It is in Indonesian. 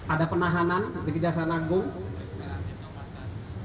ada penahanan di kejagung langsung